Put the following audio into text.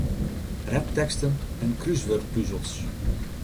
Rapteksten en krúswurdpuzels.